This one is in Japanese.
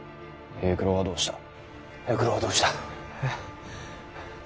平九郎はどうした？え？